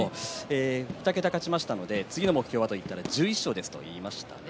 ２桁勝ちましたので次の目標はと言ったら１１勝ですと言いました。